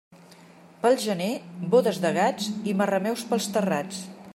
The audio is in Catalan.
Pel gener, bodes de gats i marrameus pels terrats.